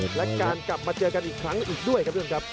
และการกลับมาเจอกันอีกครั้งอีกด้วยครับท่านผู้ชมครับ